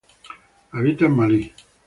Habita en Malí.